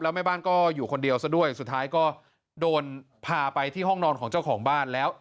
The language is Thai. แม่บ้านก็อยู่คนเดียวซะด้วยสุดท้ายก็โดนพาไปที่ห้องนอนของเจ้าของบ้านแล้ว